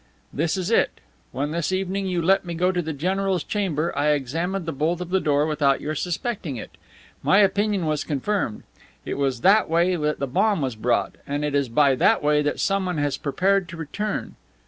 "This is it. When this evening you let me go to the general's chamber, I examined the bolt of the door without your suspecting it. My opinion was confirmed. It was that way that the bomb was brought, and it is by that way that someone has prepared to return."